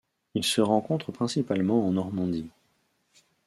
Il se rencontre principalement en Normandie.